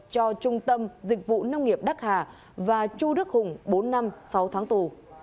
cho trung tâm dịch vụ nông nghiệp đắc hà và chu đức hùng bốn năm sáu tháng tù